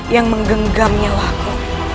yang menggenggam nyawaku